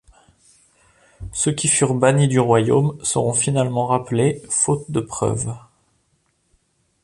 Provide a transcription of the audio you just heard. Ceux qui furent bannis du royaume seront finalement rappelés, faute de preuves.